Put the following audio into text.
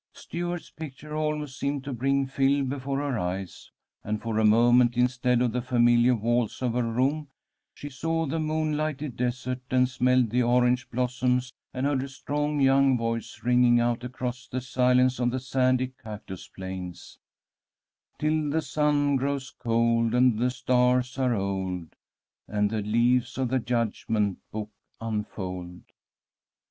Stuart's picture almost seemed to bring Phil before her eyes, and for a moment, instead of the familiar walls of her room, she saw the moonlighted desert, and smelled the orange blossoms, and heard a strong young voice ringing out across the silence of the sandy cactus plains: "Till the sun grows cold, And the stars are old, And the leaves of the Judgment Book unfold."